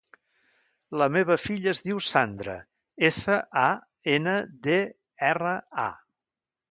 La meva filla es diu Sandra: essa, a, ena, de, erra, a.